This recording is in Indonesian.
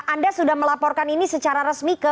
anda sudah melaporkan ini secara resmi ke